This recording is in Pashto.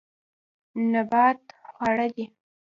نبات خواړه دي.